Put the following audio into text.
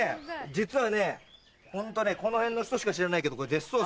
実はホントこの辺の人しか知らないけど。